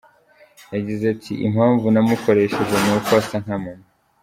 Yagize ati: "Impamvu namukoresheje ni uko asa nka Mama.